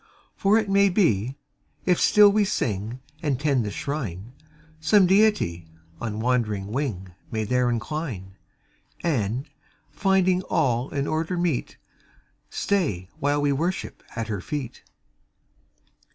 "For it may be, if still we sing And tend the Shrine, Some Deity on wandering wing May there incline; And, finding all in order meet, Stay while we worship at Her feet."